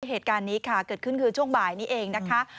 เหตุการณ์นี้ค่ะเกิดขึ้นคือช่วงบ่ายนี้เองนะคะ